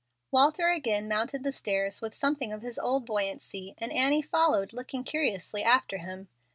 Walter again mounted the stairs with something of his old buoyancy, and Annie followed, looking curiously after him.